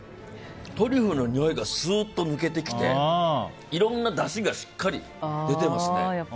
トリュフのにおいがすーっと抜けてきていろんなだしがしっかり出てますね。